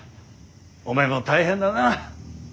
お前も大変だな。